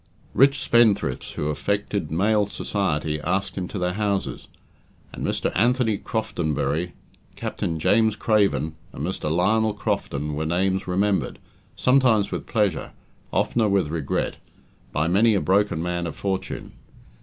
Rich spendthrifts who affected male society asked him to their houses, and Mr. Anthony Croftonbury, Captain James Craven, and Mr. Lionel Crofton were names remembered, sometimes with pleasure, oftener with regret, by many a broken man of fortune.